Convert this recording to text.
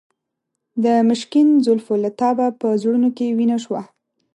د مشکین زلفو له تابه په زړونو کې وینه شوه.